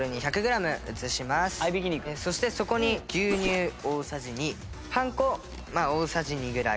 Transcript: そしてそこに牛乳大さじ２パン粉まあ大さじ２ぐらい。